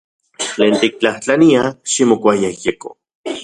Tlen tiktlajtlania, ximokuayejyeko.